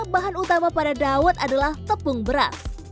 bahan utama pada dawet adalah tepung beras